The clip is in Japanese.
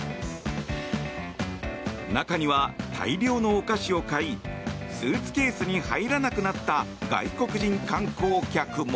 中には大量のお菓子を買いスーツケースに入らなくなった外国人観光客も。